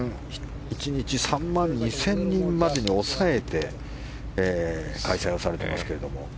１日３万２０００人までに抑えて開催をされています。